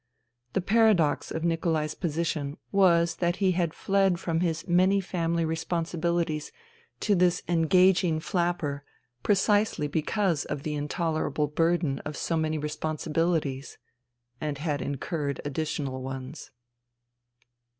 The paradox of Nikolai's position was that he had fled from his many family responsibilities to this engaging flapper precisely because of the intolerable burden of so many responsibilities — and had incurred additional ones.